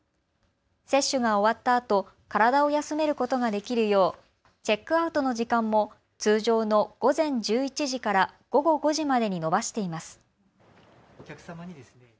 接種が終わったあと体を休めることができるようチェックアウトの時間も通常の午前１１時から午後５時までに延ばしています。